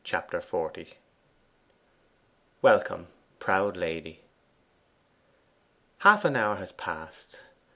Chapter XL 'Welcome, proud lady.' Half an hour has passed.